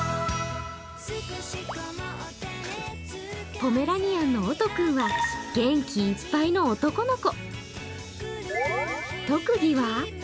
ポメラニアンのオト君は元気いっぱいの男の子。